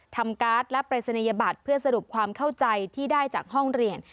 การ์ดและปริศนียบัตรเพื่อสรุปความเข้าใจที่ได้จากห้องเรียน